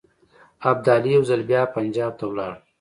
ابدالي یو ځل بیا پنجاب ته ولاړ.